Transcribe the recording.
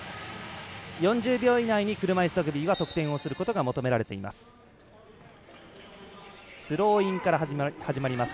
４０秒以内に車いすラグビーは得点をすることが求められています。